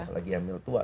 lagi hamil tua